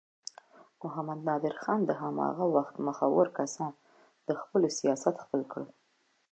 محمد نادر خان د هماغه وخت مخورو کسانو د خپلولو سیاست خپل کړ.